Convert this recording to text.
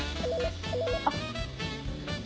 あっ。